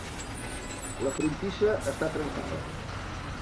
La frontissa està trencada.